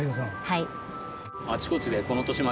はい。